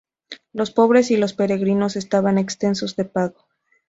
Los pobres y los Peregrinos estaban exentos de pago.